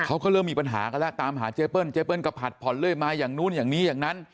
เขาก็เริ่มมีปัญหากันแล้วตามหาเจเปิ้ลเจเปิ้ลก็ผัดผ่อนเรื่อยมาอย่างนู้นอย่างนี้อย่างนั้น